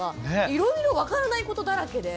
いろいろ分からないことだらけで。